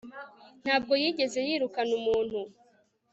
ntabwo yigeze yirukana umuntu